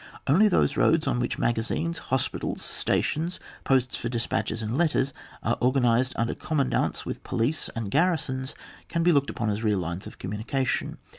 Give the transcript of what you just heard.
Only those roads on which magazines, hospitals, stations, posts for despatches and letters are organised under com mandants with police and garrisons, can be looked upon as real lines of commu nication.